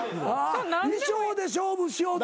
衣装で勝負しようと。